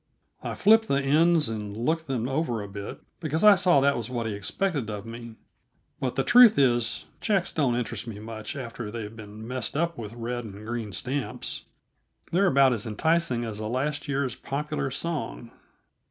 I flipped the ends and looked them over a bit, because I saw that was what he expected of me; but the truth is, checks don't interest me much after they've been messed up with red and green stamps. They're about as enticing as a last year's popular song.